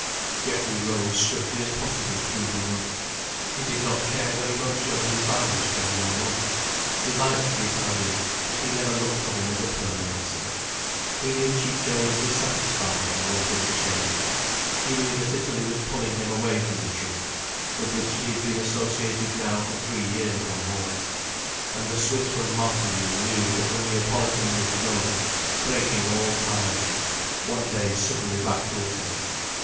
Geoffrey rode swiftly as possible through the mud. He did not care very much whether he found his friend or not. He liked the Italian, but he never looked on him as a permanency. He knew Ciccio was dissatisfied, and wanted a change. He knew that Italy was pulling him away from the troupe, with which he had been associated now for three years or more. And the Swiss from Martigny knew that the Neapolitan would go, breaking all ties, one day suddenly back to Italy.